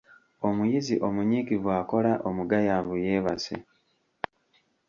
Omuyizi omunyiikivu akola, omugayaavu yeebase.